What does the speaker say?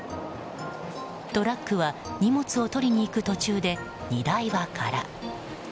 トラックは荷物を取りに行く途中で荷台はから。